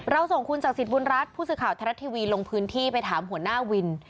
เราส่งคุณจากศิษย์บุญรัฐผู้สื่อข่าวทะเลทีวีลงพื้นที่ไปถามหัวหน้าวิน